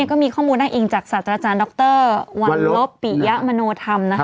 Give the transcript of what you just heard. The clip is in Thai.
ก็มีข้อมูลได้อิงจากศาสตราจารย์ดรวันลบปิยะมโนธรรมนะคะ